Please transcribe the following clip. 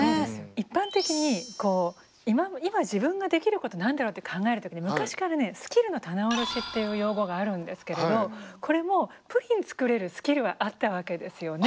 一般的に今自分ができること何だろうって考える時に昔からね「スキルの棚卸し」っていう用語があるんですけれどこれもプリン作れるスキルはあったわけですよね。